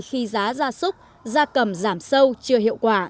khi giá ra súc ra cầm giảm sâu chưa hiệu quả